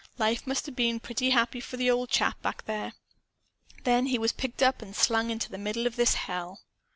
Life must 'a' been pretty happy for the old chap, back there. Then he was picked up and slung into the middle of this hell.